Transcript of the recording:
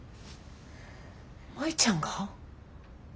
舞ちゃんが？